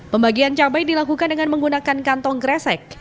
pembagian cabai dilakukan dengan menggunakan kantong kresek